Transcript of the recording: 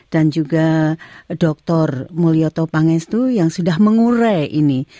dan juga doktor mulyoto pangestu yang sudah mengure ini